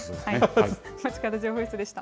まちかど情報室でした。